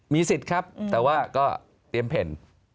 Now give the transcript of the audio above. มีสิทธิ์ครับแต่ว่าก็เตรียมเผ่น